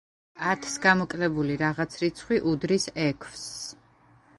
ათს გამოკლებული რაღაც რიცხვი უდრის ექვსს.